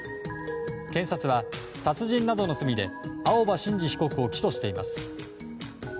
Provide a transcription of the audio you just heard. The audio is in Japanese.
検察は殺人などの罪で青葉真司被告を起訴しています。